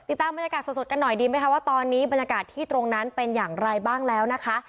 ตามบรรยากาศสดกันหน่อยดีไหมคะว่าตอนนี้บรรยากาศที่ตรงนั้นเป็นอย่างไรบ้างแล้วนะคะ